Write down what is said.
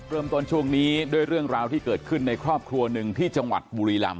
ช่วงนี้ด้วยเรื่องราวที่เกิดขึ้นในครอบครัวหนึ่งที่จังหวัดบุรีรำ